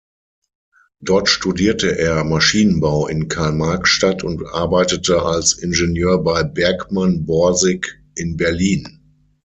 Dort studierte er Maschinenbau in Karl-Marx-Stadt und arbeitete als Ingenieur bei Bergmann-Borsig in Berlin.